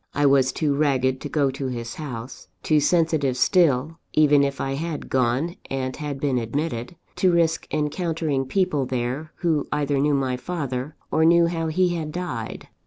I was too ragged to go to his house, too sensitive still (even if I had gone and had been admitted) to risk encountering people there, who either knew my father, or knew how he had died.